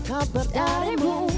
tak berarti ku tak rindu kau keliru